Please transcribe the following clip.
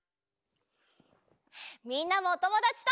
みんなもおともだちと。